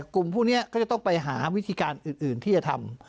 กลุ่มพวกนี้ก็จะต้องไปหาวิธีการอื่นที่จะทำ